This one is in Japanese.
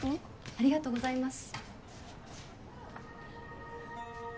ありがとうございます。